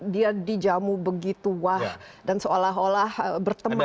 dia dijamu begitu wah dan seolah olah berteman